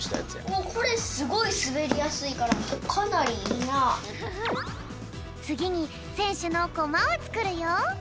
おっこれすごいすべりやすいからつぎにせんしゅのコマをつくるよ。